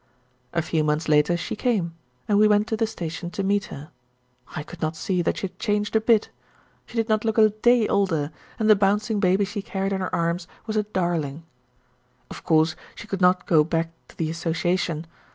A few months later she came, and we went to the station to meet her. I could not see that she had changed a bit. She did not look a day older, and the bouncing baby she carried in her arms was a darling. Of course she could not go back to the Association.